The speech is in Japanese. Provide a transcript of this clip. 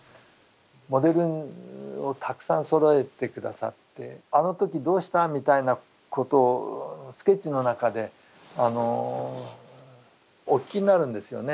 モデルをたくさんそろえて下さってあの時どうしたみたいなことをスケッチの中でお聞きになるんですよね。